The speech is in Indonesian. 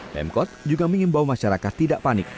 pemkot juga mengimbau masyarakat tidak panik